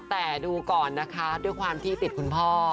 แต่ดูก่อนนะคะด้วยความที่ติดคุณพ่อ